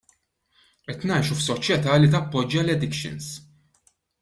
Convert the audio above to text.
Qed ngħixu f'soċjetà li tappoġġja l-addictions.